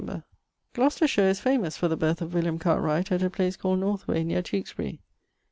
Glocestershire is famous for the birth of William Cartwright at a place called Northway neer Tewksbury.